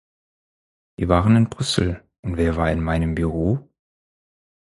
Wir waren in Brüssel, und wer war in meinem Büro?